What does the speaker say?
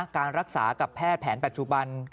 การรักษากับแพทย์แผนปัจจุบัน